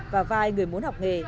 và vài người muốn học nghề